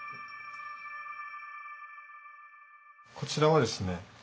こちらはですね